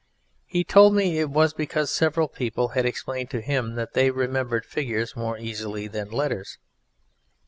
He told me it was because several people had explained to him that they remembered figures more easily than letters.